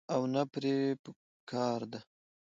او نۀ پرې پکار ده -